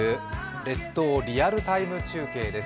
列島リアルタイム中継」です。